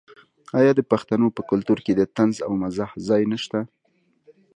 آیا د پښتنو په کلتور کې د طنز او مزاح ځای نشته؟